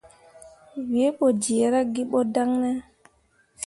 Wǝǝ ɓo jerra ki ɓo dan ne ?